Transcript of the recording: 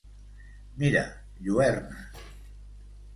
Mira, lluernes!